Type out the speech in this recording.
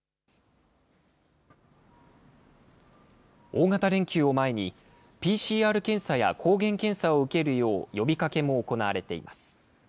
大型連休を前に、ＰＣＲ検査や抗原検査を受けるよう、呼びかけも行われています。